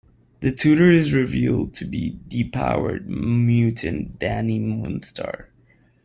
The tutor is revealed to be depowered mutant Dani Moonstar.